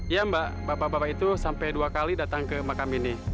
ya mbak bapak bapak itu sampai dua kali datang ke makam ini